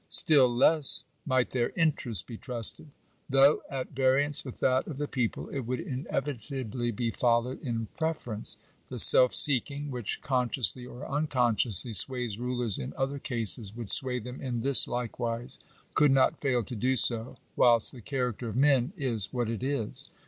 Still less might their "interest" be trusted. Though at variance with that of the people, it would inevitably be followed in preference. The self seeking which, consciously or uncon sciously, sways rulers in other cases, would sway them in this likewise — could not fail to do so, whilst the character of men is what it is.